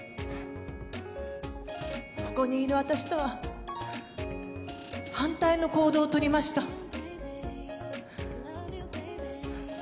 ここにいる私とは反対の行動を取りました。